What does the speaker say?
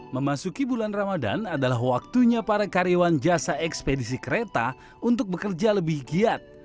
memasuki bulan ramadan adalah waktunya para karyawan jasa ekspedisi kereta untuk bekerja lebih giat